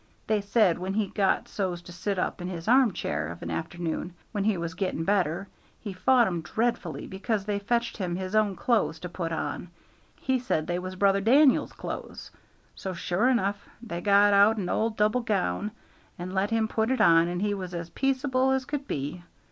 They said when he got so's to sit up in his arm chair of an afternoon, when he was getting better, he fought 'em dreadfully because they fetched him his own clothes to put on; he said they was brother Dan'el's clothes. So, sure enough, they got out an old double gown, and let him put it on, and he was as peaceable as could be.